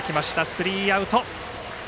スリーアウト。